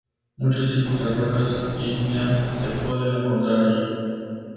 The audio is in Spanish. Muchos tipos de rocas ígneas se pueden encontrar allí.